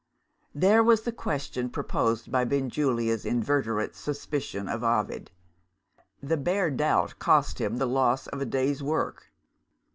There was the question, proposed by Benjulia's inveterate suspicion of Ovid! The bare doubt cost him the loss of a day's work.